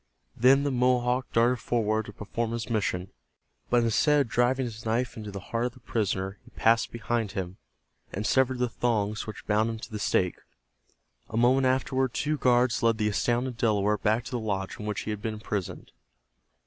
Then the Mohawk darted forward to perform his mission, but instead of driving his knife into the heart of the prisoner he passed behind him, and severed the thongs which bound him to the stake. A moment afterward two guards led the astounded Delaware back to the lodge in which he had been imprisoned.